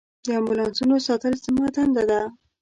د امبولانسونو ساتل زما دنده ده.